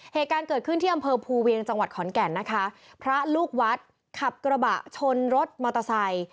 เหตุการณ์เกิดขึ้นที่อำเภอภูเวียงจังหวัดขอนแก่นนะคะพระลูกวัดขับกระบะชนรถมอเตอร์ไซค์